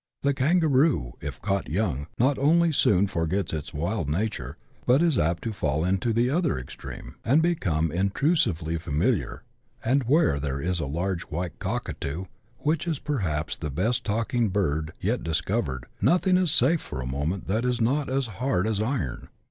The kangaroo, if caught young, not only soon forgets its wild nature, but is apt to fall into the other extreme, and become intrusively familiar ; and where there is a large white cockatoo, which is perhaps the best talking bird yet dis covered, nothing is safe for a moment that is not as hard as iron.